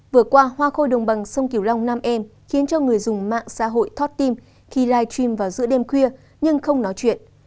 vừa qua hoa khôi đồng bằng sông kiều long nam em khiến cho người dùng mạng xã hội thoát tim khi live stream vào giữa đêm khuya nhưng không nói chuyện